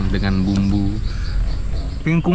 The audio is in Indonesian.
dengan bumbu pingkung